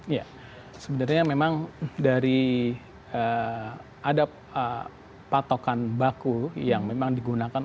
iya sebenarnya memang dari ee ada patokan baku yang memang digunakan ya